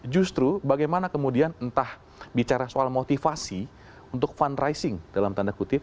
justru bagaimana kemudian entah bicara soal motivasi untuk fundraising dalam tanda kutip